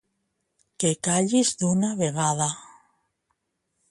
Que callis d'una vegada.